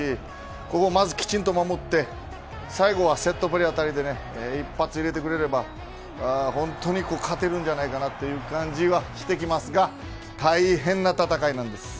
ここをきちんと守って最後セットプレーあたりで一発入れてくれれば本当に勝てるんじゃないかなっていう感じはしてきますが大変な戦いなんです。